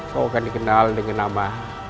kau kan dikenal dengan nama